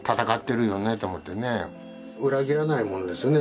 裏切らないものですよね